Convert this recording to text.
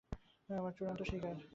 আমার চূড়ান্ত শিকারের।